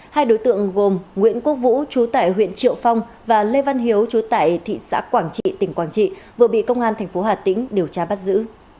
hai đối tượng gồm nguyễn quốc vũ chú tại huyện triệu phong và lê văn hiếu chú tại thị xã quảng trị tỉnh quảng trị vừa bị công an tp hà tĩnh điều tra bắt giữ